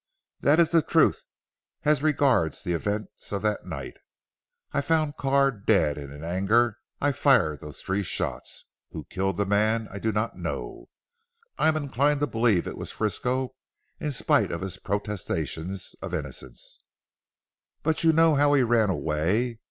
"That is the truth as regards the events of that night. I found Carr dead, and in anger I fired those three shots. Who killed the man I do not know. I am inclined to believe it was Frisco in spite of his protestations of innocence. But you know how he ran away.